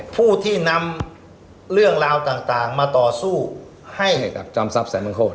ผู้ที่นำเรื่องราวต่างมาต่อสู้ให้กับจอมทรัพย์